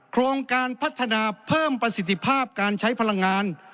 โครงการพัฒนาเพิ่มประสิทธิภาพการใช้พลังงาน